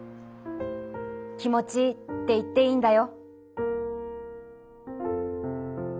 『気持ちいい！』って言っていいんだよ」。